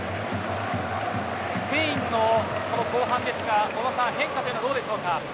スペインの後半ですが小野さん、変化はどうでしょう。